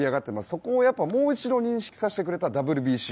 そこをもう一度認識させてくれたＷＢＣ。